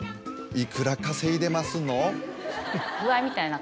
いくら稼いでますの？